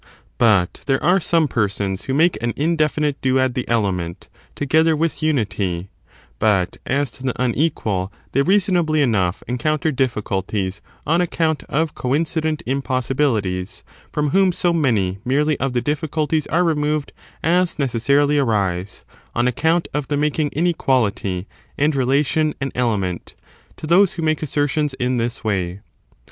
But there are some persons who make an 3 j^iff^^^^ indefinite duad the element, together with unity ; theories on this but as to the unequal, they reasonably enough ^°"*'' encounter difficulties, on account of coincident impossibilities, from whom so many merely of the difficulties are removed as necessarily arise — on account of the making inequality and relation an element — to those who make assertions in this way.